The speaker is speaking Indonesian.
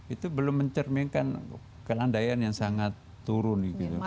itu belum mencerminkan kelandaian yang sangat turun